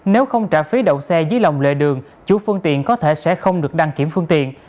nếu không trả phí đậu xe dưới lòng lề đường chủ phương tiện có thể sẽ không được đăng kiểm phương tiện